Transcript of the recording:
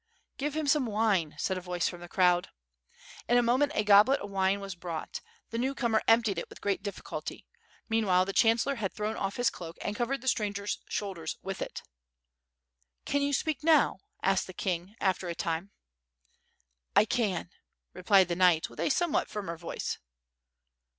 '' "(live him some wine," said a voice from the crowd. In a moment a goblet of wine was hrouglit; the newcomer emptied it with great ditliculty. Meanwhile the chancellor had thrown off his cluak and covered the stranger's shoulders with it. '•(,'an you speak now?" asked the king, after a time. "[ can," replied the knight, with a somewhat firmer voice.